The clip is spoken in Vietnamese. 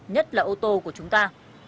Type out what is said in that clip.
nhất là ô tô của chúng ta